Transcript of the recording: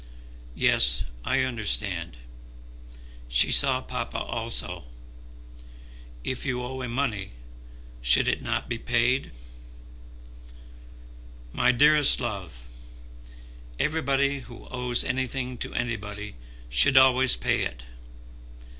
"Yes, I understand. She saw papa also. If you owe him money, should it not be paid?" "My dearest love, everybody who owes anything to anybody should always pay it.